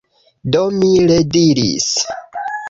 Do mi rediris